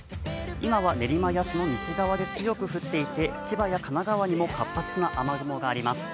今は練馬やその西側で強く降っていて千葉や神奈川にも活発な雨雲があります。